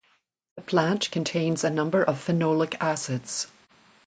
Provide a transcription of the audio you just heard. The plant contains a number of phenolic acids.